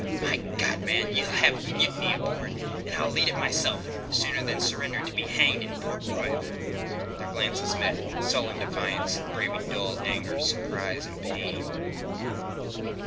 My God, man, ye'll have a mutiny aboard, and I'll lead it myself sooner than surrender to be hanged in Port Royal." Their glances met, sullen defiance braving dull anger, surprise, and pain.